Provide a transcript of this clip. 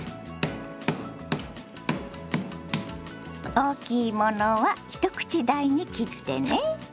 大きいものは一口大に切ってね。